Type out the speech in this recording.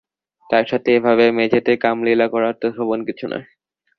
তার সাথে ওভাবে মেঝেতে কামলীলা করা তো শোভন কিছু না।